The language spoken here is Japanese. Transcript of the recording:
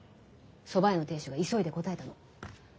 蕎麦屋の亭主が急いで答えたの。